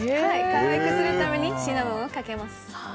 可愛くするためにシナモンをかけます。